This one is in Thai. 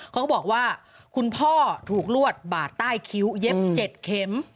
เขาบอกว่าคุณพ่อถูกลวดบาดใต้คิ้วเย็บ๗เข็ม